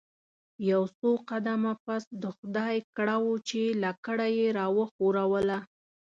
یو څو قدمه پس د خدای کړه وو چې لکړه یې راوښوروله.